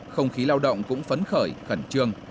không khí lao động cũng phấn khởi khẩn trương